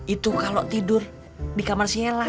itu kalo tidur di kamar si hela